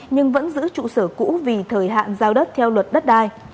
nhưng vẫn giữ trụ sở cũ vì thời hạn giao đất theo luật đất đai